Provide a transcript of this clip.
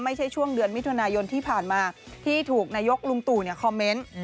ไม่ใช่ช่วงเดือนมิถุนายนที่ผ่านมาที่ถูกนายกลุงตู่คอมเมนต์